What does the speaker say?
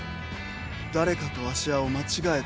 誰かを芦屋と間違えた。